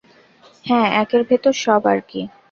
হ্যাঁ, একের ভেতর সব আর কি।